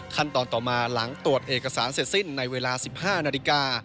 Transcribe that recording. ขั้นตอนต่อมาหลังตรวจเอกสารเสร็จสิ้นในเวลา๑๕นาฬิกา